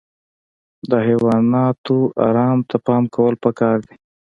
د حیواناتو ارام ته پام کول پکار دي.